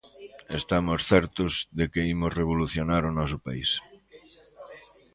"Estamos certos de que imos revolucionar o noso país".